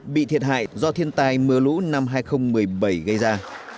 bị thiệt hại do thiên tai mưa lũ năm hai nghìn một mươi bảy gây ra